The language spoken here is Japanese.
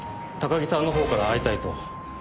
高木さんの方から会いたいと。